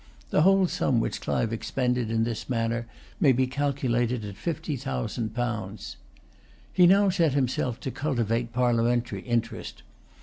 The whole sum which Clive expended in this manner may be calculated at fifty thousand pounds. He now set himself to cultivate Parliamentary interest.